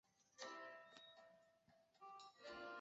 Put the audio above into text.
其余的妻子或妾室获得等级较低的册封。